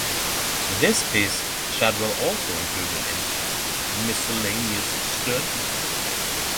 This piece Shadwell also included in "Miscellaneous Studies".